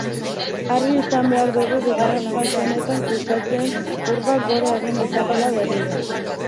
Argi izan behar dugu bigarren fase honetan kutsatzeen kurbak gora egin dezakeela berriro.